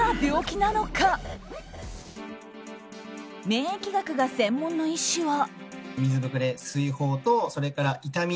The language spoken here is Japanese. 免疫学が専門の医師は。